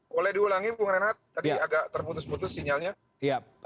boleh diulangi bung renat tadi agak terputus putus sinyalnya